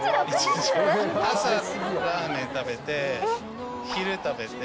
朝すぐラーメン食べて昼食べて。